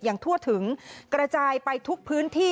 ทั่วถึงกระจายไปทุกพื้นที่